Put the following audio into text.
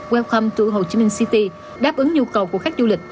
welcome to hồ chí minh city đáp ứng nhu cầu của khách du lịch